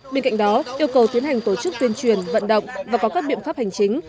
bên cạnh đó yêu cầu tiến hành tổ chức tuyên truyền vận động và có các biện pháp hành chính